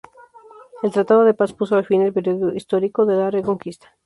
El tratado de paz puso fin al período histórico de la Reconquista.